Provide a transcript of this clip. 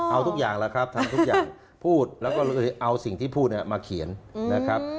เอาทุกอย่างแล้วครับทำทุกอย่างพูดแล้วก็เอาสิ่งที่พูดมาเขียนนะครับ